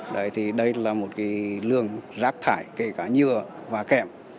đấy thì đây là một cái lường rác thải kể cả nhựa và kẹm